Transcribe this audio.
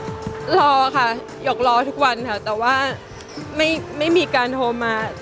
ต้องรอค่ะหยกจะรอทุกวันซิแต่ว่าไม่มีการโทรมา